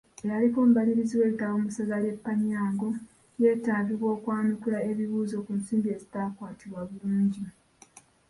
Eyaliko omubalirizi w'ebitabo mu ssaza ly'e Panyango yeetaagibwa okwanukula ebibuuzo ku nsimbi ezitaakwatibwa bulungi.